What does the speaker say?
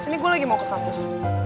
sini gue lagi mau ke kampus